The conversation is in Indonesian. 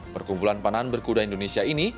perkumpulan panahan berkuda indonesia ini